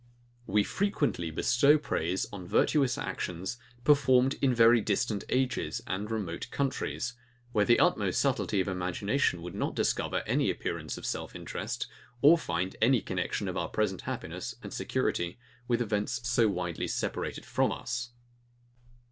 We frequently bestow praise on virtuous actions, performed in very distant ages and remote countries; where the utmost subtilty of imagination would not discover any appearance of self interest, or find any connexion of our present happiness and security with events so widely separated from us.